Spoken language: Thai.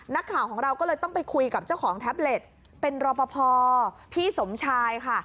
นักข่าวของเราก็เลยต้องไปคุยกับเจ้าของแท็บเล็ตเป็นรอปภพี่สมชายค่ะ